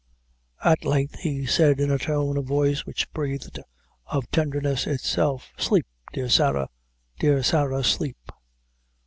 At length he said, in a tone of voice which breathed of tenderness itself "Sleep, dear Sarah dear Sarah, sleep."